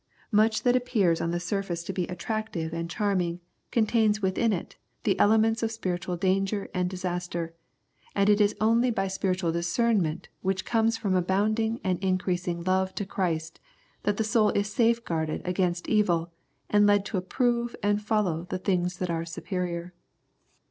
Much that appears on the surface to be attractive and charming contains within it the ele 132 Love and Discernment ments of spiritual danger and disaster, and it is only by spiritual discernment which comes from abounding and increasing love to Christ that the soul is safeguarded against evil and led to approve and follov^ the things that are superior.